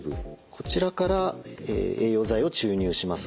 こちらから栄養剤を注入します。